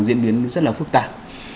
diễn biến rất là phức tạp